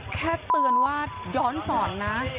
แค่เตือนว่าย้อนสอนนะ